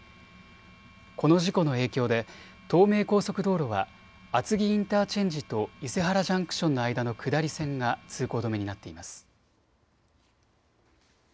この事故の影響で東名高速道路は厚木インターチェンジと伊勢原ジャンクションの間の下り線が通行止めになっています。